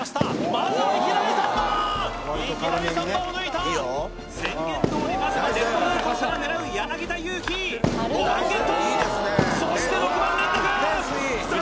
まずはいきなり３番いきなり３番を抜いた宣言どおりまずはレフト方向から狙う柳田悠岐５番ゲットそして６番連続きたよ